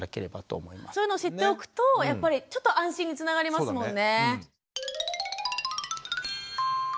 そういうのを知っておくとやっぱりちょっと安心につながりますもんね。